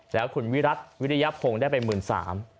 แล้วคุณวิรัติวิริยพงศ์ได้ไปหมื่นสาม